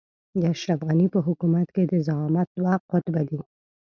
د اشرف غني په حکومت کې د زعامت دوه قطبه دي.